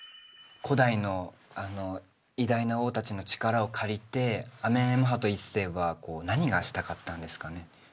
古代の偉大な王達の力を借りてアメンエムハト１世は何がしたかったんですかね？